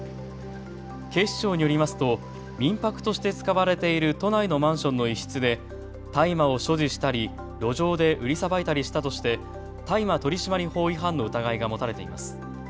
警視庁によりますと民泊として使われている都内のマンションの一室で大麻を所持したり、路上で売りさばいたりしたとして大麻取締法違反の疑いが持たれています。